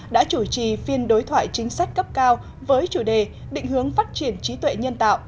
đã chủ trì phiên đối thoại chính sách cấp cao với chủ đề định hướng phát triển trí tuệ nhân tạo